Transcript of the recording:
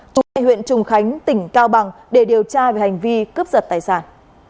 trú tại huyện trùng khánh tỉnh cao bằng để điều tra về hành vi cướp giật tài sản